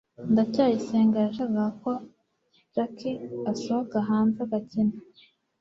ndacyayisenga yashakaga ko jaki asohoka hanze agakina